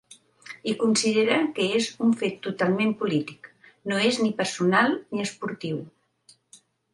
I considera que és un fet totalment polític, no és ni personal ni esportiu.